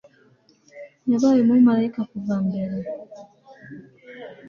yabaye umumarayika kuva mbere